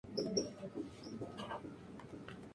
Se encuentra ubicada en la zona oeste de la isla de Lewis.